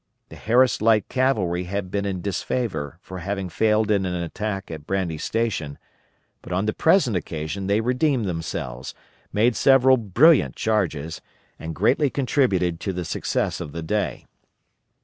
The Harris Light Cavalry had been in disfavor for having failed in an attack at Brandy Station, but on the present occasion they redeemed themselves, made several brilliant charges, and greatly contributed to the success of the day.